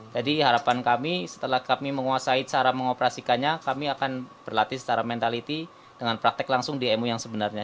jadi harapan kami setelah kami menguasai cara mengoperasikannya kami akan berlatih secara mentaliti dengan praktek langsung di emu yang sebenarnya